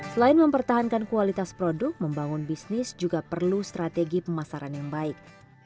selain mempertahankan kualitas produk membangun bisnis juga perlu strategi pemasaran yang baik